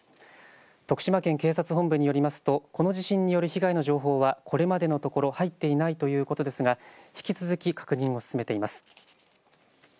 徳島県警察本部によりますとこの地震による被害の情報はこれまでのところ入っていないということですが引き続き確認を進めています。